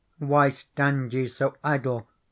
* Why stand ye so idle ?